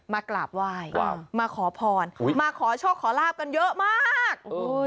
มากราบไหว้มาขอพรมาขอโชคขอลาบกันเยอะมาก